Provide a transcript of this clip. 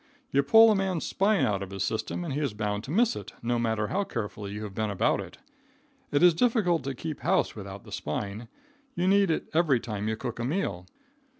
You pull a man's spine out of his system and he is bound to miss it, no matter how careful you have been about it. It is difficult to keep house without the spine. You need it every time you cook a meal.